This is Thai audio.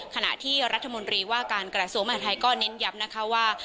ขณะที่รัฐมนตรีว่าการกระทรวงมหาทัยก็เน้นย้ำนะคะว่า